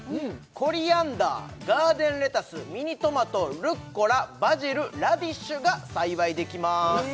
コリアンダーガーデンレタスミニトマトルッコラバジルラディッシュが栽培できます